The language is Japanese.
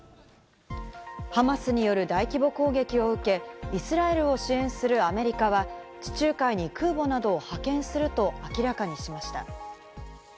ハマスによる大規模攻撃を受け、イスラエルを支援するアメリカは地中海に空母などを派遣すると明らかにしました。